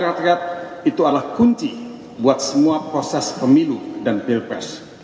rakyat itu adalah kunci buat semua proses pemilu dan pilpres